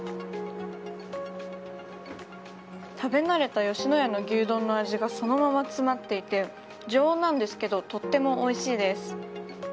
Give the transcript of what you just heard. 食べ慣れた吉野家の牛丼の味がそのまま詰まっていて常温なんですけどとってもおいしいです。